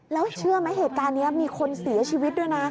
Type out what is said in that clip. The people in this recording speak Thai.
แล้วเชื่อไหมเหตุการณ์นี้มีคนเสียชีวิตด้วยนะ